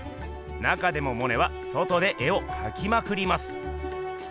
なかでもモネは外で絵をかきまくります。